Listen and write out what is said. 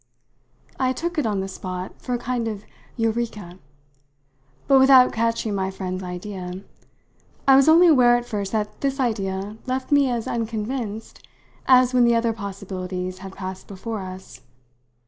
I took it, on the spot, for a kind of "Eureka!" but without catching my friend's idea. I was only aware at first that this idea left me as unconvinced as when the other possibilities had passed before us.